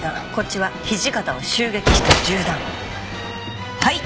はい！